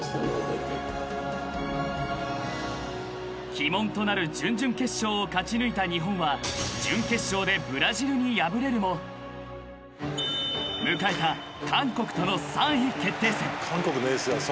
［鬼門となる準々決勝を勝ち抜いた日本は準決勝でブラジルに破れるも迎えた韓国との３位決定戦］